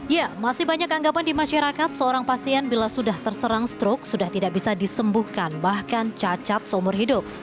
ya masih banyak anggapan di masyarakat seorang pasien bila sudah terserang strok sudah tidak bisa disembuhkan bahkan cacat seumur hidup